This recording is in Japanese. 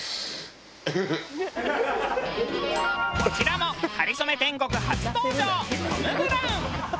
こちらも『かりそめ天国』初登場トム・ブラウン。